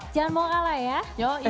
jangan mau kalah ya